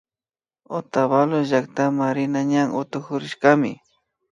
Otavalo llaktama rina ñan utukurishkami